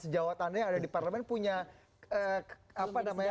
jangan rusak sistemnya